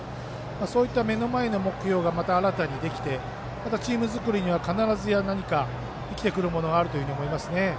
そういった目の前の目標が新たにできてまたチーム作りには必ず生きてくるものがあると思います。